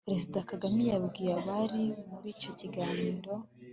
perezida kagame yabwiye abari muri icyo kiganiro